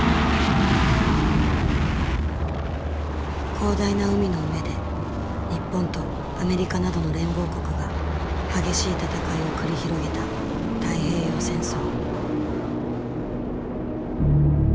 広大な海の上で日本とアメリカなどの連合国が激しい戦いを繰り広げた太平洋戦争。